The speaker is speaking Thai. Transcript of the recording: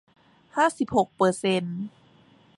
ห้าสิบหกเปอร์เซนต์